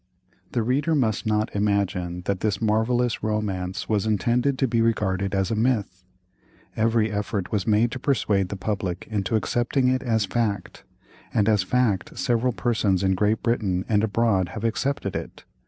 The reader must not imagine that this marvellous romance was intended to be regarded as myth; every effort was made to persuade the public into accepting it as fact, and as fact several persons in Great Britain and abroad have accepted it.